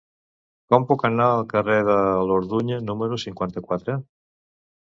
Com puc anar al carrer de l'Orduña número cinquanta-quatre?